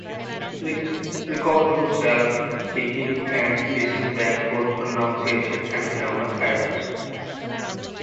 Record yourself speaking and listen back for pronunciation and grammar errors